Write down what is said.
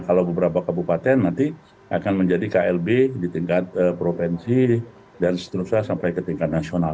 kalau beberapa kabupaten nanti akan menjadi klb di tingkat provinsi dan seterusnya sampai ke tingkat nasional